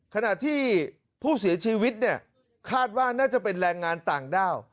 ขณะที่ผู้เสียชีวิตเนี่ยคาดว่าน่าจะเป็นแรงงานต่างด้าว